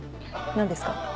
何ですか？